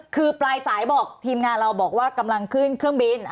คือปลายสายบอกทีมงานเราบอกว่ากำลังขึ้นเครื่องบิน